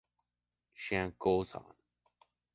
Chen Guozhan.